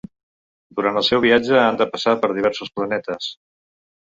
Durant el seu viatge han de passar per diversos planetes.